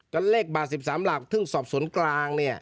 ก็เลขบาล๑๓หลักถึงสอบสวนกลาง